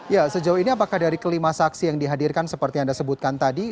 ya sejauh ini apakah dari kelima saksi yang dihadirkan seperti yang anda sebutkan tadi